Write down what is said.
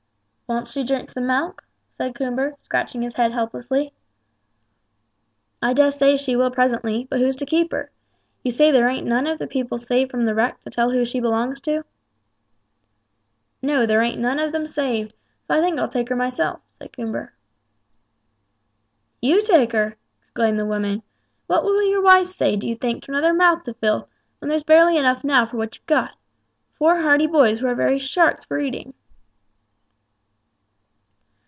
"Won't she drink some milk?" said Coomber, scratching his head helplessly. "I dessay she will presently; but who's to keep her? You say there ain't none of the people saved from the wreck to tell who she belongs to?" "No, there ain't none of 'em saved, so I think I'll take her myself," said Coomber. "You take her!" exclaimed the woman; "what will your wife say, do you think, to another mouth to fill, when there's barely enough now for what you've got four hearty boys, who are very sharks for eating?"